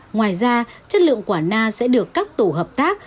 ngoài ra chất lượng quả na sẽ được các tổ hợp tác